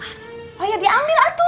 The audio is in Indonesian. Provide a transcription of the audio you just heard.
oh iya diambil atul